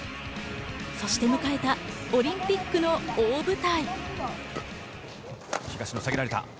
そして迎えたオリンピックの大舞台。